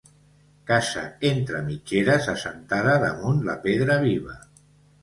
Casa entre mitgeres, assentada damunt la pedra viva.